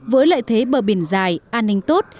với lợi thế bờ biển dài an ninh tốt